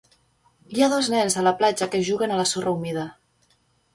Hi ha dos nens a la platja que juguen a la sorra humida.